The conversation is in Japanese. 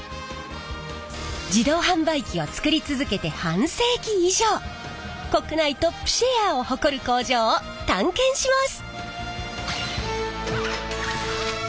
自動販売機を作り続けて半世紀以上国内トップシェアを誇る工場を探検します！